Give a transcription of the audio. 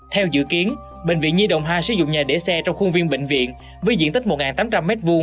theo dự kiến bệnh viện nhi đồng hai sử dụng nhà để xe trong khuôn viên bệnh viện với diện tích một tám trăm linh m hai